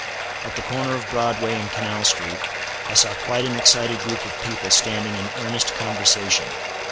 At the corner of Broadway and Canal street, I saw quite an excited group of people standing in earnest conversation.